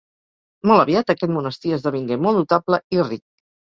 Molt aviat, aquest monestir esdevingué molt notable i ric.